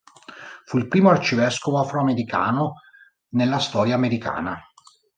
Fu il primo arcivescovo afroamericano nella storia americana.